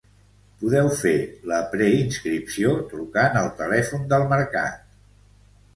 Podeu fer la preinscripció trucant al telèfon del mercat.